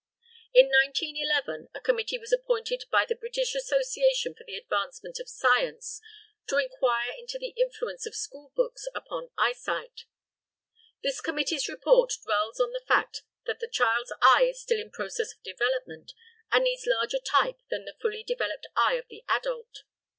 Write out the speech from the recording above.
In 1911, a committee was appointed by the British Association for the Advancement of Science "to inquire into the influence of school books upon eyesight." This committee's report dwells on the fact that the child's eye is still in process of development and needs larger type than the fully developed eye of the adult.